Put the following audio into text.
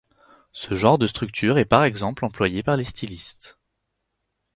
Ce genre de structure est par exemple employée par les stylistes.